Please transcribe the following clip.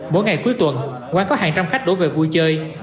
mỗi ngày cuối tuần quán có hàng trăm khách đổ về vui chơi